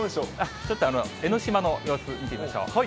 ちょっと江の島の様子、見てみましょう。